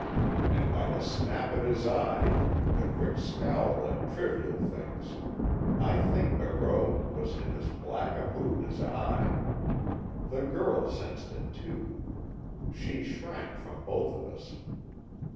And by the snap of his eye, the quick scowl at trivial things, I think Barreau was in as black a mood as I. The girl sensed it, too. She shrank from both of us.